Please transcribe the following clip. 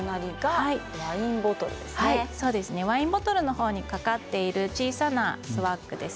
ワインボトルの方に掛かっている小さなスワッグ。